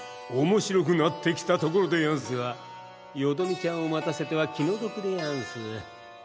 おもしろくなってきたところでやんすがよどみちゃんを待たせては気の毒でやんす。